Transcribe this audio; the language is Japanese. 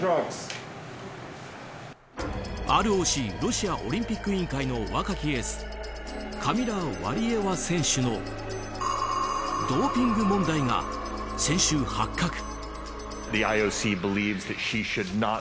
ＲＯＣ・ロシアオリンピック委員会の若きエースカミラ・ワリエワ選手のドーピング問題が先週発覚。